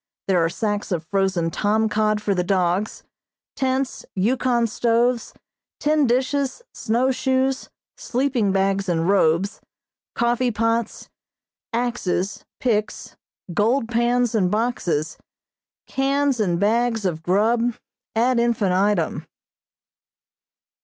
There are sacks of frozen tom cod for the dogs, tents, Yukon stoves, tin dishes, snow shoes, sleeping bags and robes, coffee pots, axes, picks, gold pans and boxes, cans and bags of grub, ad infinitum.